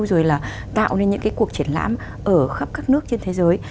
rồi là tạo nên những cái cuộc triển lãm ở khắp các nước trên thế giới